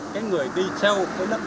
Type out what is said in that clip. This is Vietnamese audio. cái người đi sau